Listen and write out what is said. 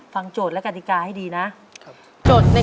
ฟังโจทย์และกาติกาให้ดีนะ